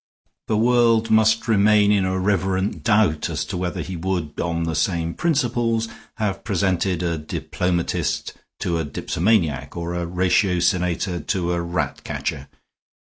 The world must remain in a reverent doubt as to whether he would, on the same principles, have presented a diplomatist to a dipsomaniac or a ratiocinator to a rat catcher.